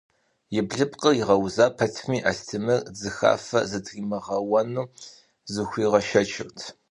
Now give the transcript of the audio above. И блыпкъыр игъэуза пэтми, Астемыр дзыхафэ зытримыгъэуэну зыхуигъэшэчырт.